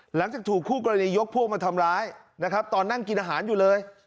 หลังจากถูกคู่กรณียกพวกมาทำร้ายนะครับตอนนั่งกินอาหารอยู่เลย